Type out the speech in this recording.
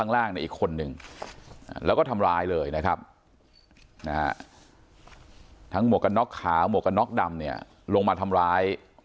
อีกคนนึงแล้วก็ทำร้ายเลยนะครับทั้งหมวกกันน็อกขาวหมวกกันน็อกดำเนี่ยลงมาทำร้าย